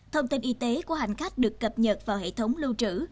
thông tin y tế của hành khách được cập nhật vào hệ thống lưu trữ